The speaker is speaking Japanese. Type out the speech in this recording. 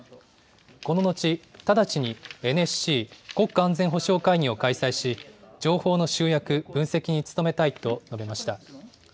この後、直ちにＮＳＣ・国家安全保障会議を開催し情報の集約、分析に努めたいと述べました。